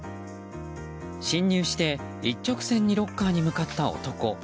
侵入して、一直線にロッカーに向かった男。